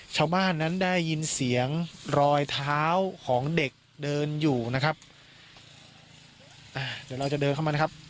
ชาวบ้านนั้นได้ยินเสียงรอยเท้าของเด็กเดินอยู่นะครับอ่าเดี๋ยวเราจะเดินเข้ามานะครับ